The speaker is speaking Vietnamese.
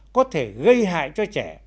có thể gây hại cho trẻ